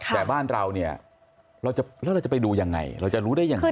แต่บ้านเราเนี่ยแล้วเราจะไปดูยังไงเราจะรู้ได้ยังไง